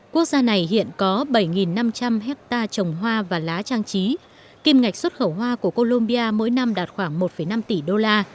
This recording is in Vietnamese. quốc gia này hiện có bảy năm trăm linh hectare trồng hoa và lá trang trí kim ngạch xuất khẩu hoa của colombia mỗi năm đạt khoảng một năm tỷ đô la